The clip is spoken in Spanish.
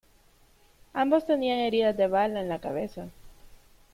Ambos tenían heridas de bala en la cabeza.